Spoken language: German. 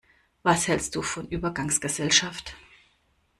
Was hälst du von Übergangsgesellschaft?